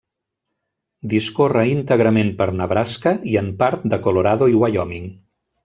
Discorre íntegrament per Nebraska, i en part de Colorado i Wyoming.